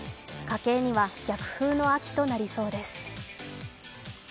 家計には逆風の秋となりそうです。